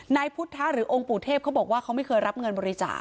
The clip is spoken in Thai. นายพุทธะหรือองค์ปู่เทพเขาบอกว่าเขาไม่เคยรับเงินบริจาค